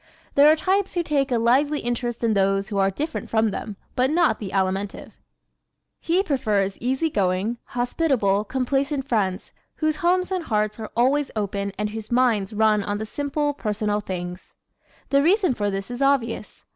There are types who take a lively interest in those who are different from them, but not the Alimentive. He prefers easy going, hospitable, complacent friends whose homes and hearts are always open and whose minds run on the simple, personal things. ¶ The reason for this is obvious.